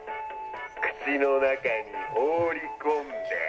口の中に放り込んで。